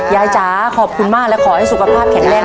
จ๋าขอบคุณมากและขอให้สุขภาพแข็งแรง